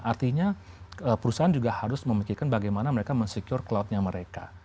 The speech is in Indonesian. artinya perusahaan juga harus memikirkan bagaimana mereka men secure cloudnya mereka